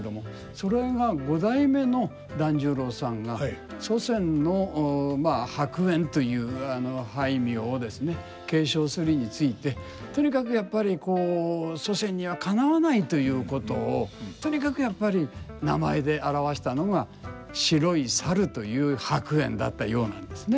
それが五代目の團十郎さんが祖先の栢莚という俳名をですね継承するについてとにかくやっぱりこう祖先にはかなわないということをとにかくやっぱり名前で表したのが白い猿という白猿だったようなんですね。